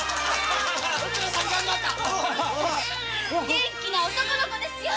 元気な男の子よ。